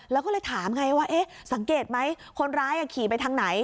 แล้วก็เลยถามไงว่าเอ๊ะสังเกตไหมคนร้ายขี่ไปทางไหน